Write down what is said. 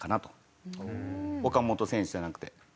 岡本選手じゃなくて。